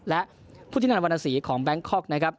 และภูตินัทวรรณสีของแบนค์คอล์กนะครับ